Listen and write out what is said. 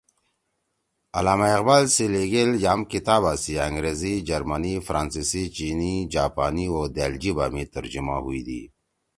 علامہ اقبال سی لیِگیل یام کتابا سی انگریزی، جرمنی، فرانسیسی، چینی، جاپانی او دأل جیِبا می ترجُمہ ہُوئی دی